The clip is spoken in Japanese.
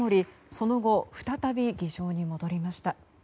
その後、再び議場に戻りました。